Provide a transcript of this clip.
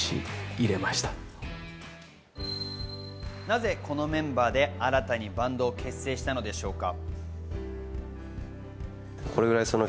なぜこのメンバーで新たにバンドを結成したのでしょうか？